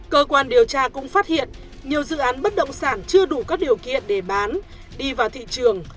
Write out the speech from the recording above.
cơ quan điều tra cũng phát hiện nhiều dự án bất động sản chưa đủ các điều kiện để bán đi vào thị trường